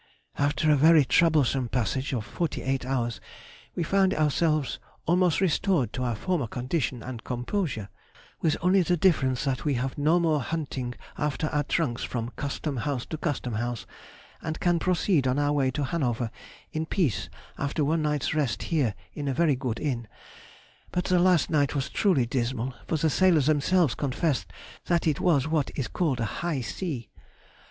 After a very troublesome passage of forty eight hours, we find ourselves almost restored to our former condition and composure, with only the difference that we have no more hunting after our trunks from Custom house to Custom house, and can proceed on our way to Hanover in peace after one night's rest here in a very good inn. But the last night was truly dismal, for the sailors themselves confessed that it was what is called a high sea.